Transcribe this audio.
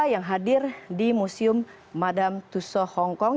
yang hadir di museum madame tussauds hongkong